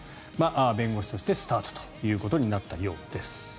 弁護士としてスタートということになったようです。